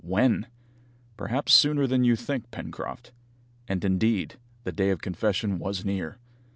"When?" "Perhaps sooner than you think, Pencroft." And, indeed, the day of confession was near.